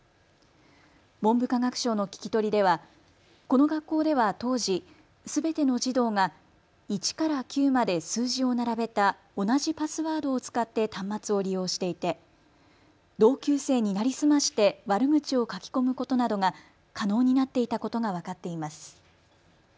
文部科学省の聞き取りではこの学校では当時、すべての児童が１から９まで数字を並べた同じパスワードを使って端末を利用していて同級生に成り済まして悪口を書き込むことなどが可能になっていたことが分かっています。